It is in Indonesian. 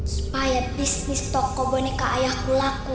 supaya bisnis toko boneka ayahku laku